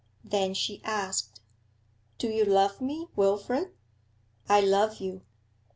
Then she asked: 'Do you love me, Wilfrid?' 'I love you.'